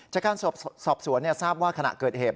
จากการสอบสวนทราบว่าขณะเกิดเหตุ